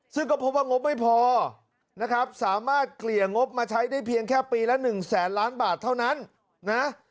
ซึ่งก็พบว่างบไม่พอนะครับสามารถเกลี่ยงบมาใช้ได้เพียงแค่ปีละ๑แสนล้านบาทเท่านั้นนะ